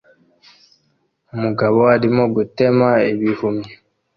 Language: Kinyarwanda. Umugabo arimo gutema ibihumyo